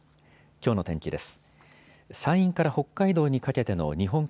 きょうの天気です。